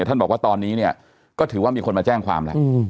ท่านบอกว่าตอนนี้ก็ถือว่ามีคนมาแจ้งความ